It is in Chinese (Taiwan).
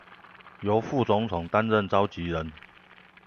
由副總統擔任召集人